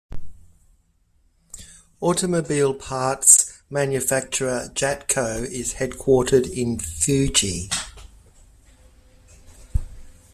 Automobile parts manufacturer Jatco is headquartered in Fuji.